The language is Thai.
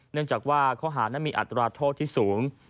เนื่องจากว่าข้อหานั้นมีอัตราโทษที่สูง